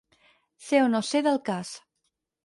Ser o no ser del cas.